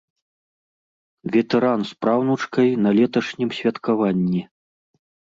Ветэран з праўнучкай на леташнім святкаванні.